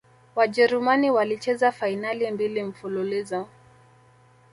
wajerumani walicheza fainali mbili mfululizo